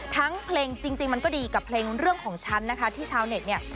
ทั้งเพลงจริงมันก็ดีกับเพลงเรื่องของฉันนะคะที่ชาวเน็ตเนี่ย